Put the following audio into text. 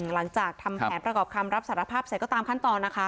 หลังจากทำแผนประกอบคำรับสารภาพเสร็จก็ตามขั้นตอนนะคะ